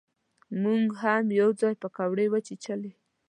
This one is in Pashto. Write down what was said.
مونږ هم یو ځای پکوړې وچکچلې.